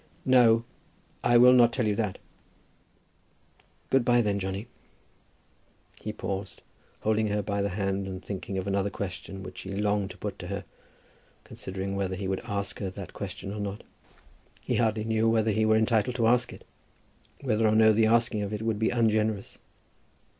"No; I will not tell you that." "Good by, then, Johnny." He paused, holding her by the hand and thinking of another question which he longed to put to her, considering whether he would ask her that question or not. He hardly knew whether he were entitled to ask it; whether or no the asking of it would be ungenerous.